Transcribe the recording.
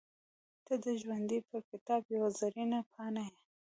• ته د ژوند پر کتاب یوه زرینه پاڼه یې.